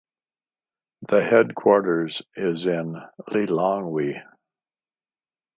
The headquarters is in Lilongwe.